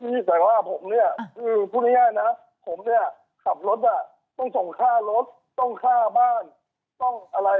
แต่ว่าผมเนี่ยคือพูดง่ายนะผมเนี่ยขับรถอ่ะต้องส่งค่ารถต้องฆ่าบ้านต้องอะไร